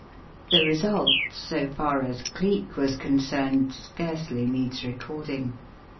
The result, so far as Cleek was concerned, scarcely needs recording.